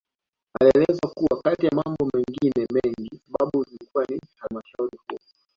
Inaelezwa kuwa kati ya mambo mengine mengi sababu zilikuwa ni halmashauri Kuu